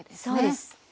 そうです。